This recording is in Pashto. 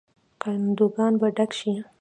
کندوګان به ډک شي.